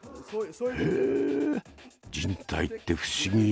へえ人体って不思議。